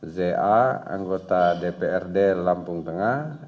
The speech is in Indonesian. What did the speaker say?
za anggota dprd lampung tengah